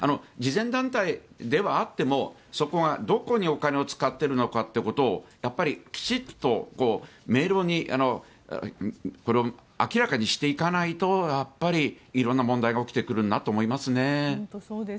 慈善団体ではあっても、そこがどこにお金を使っているのかをやっぱりきちんと明朗にこれを明らかにしていかないとやっぱり色んな問題が起きてくるんだと思いますね。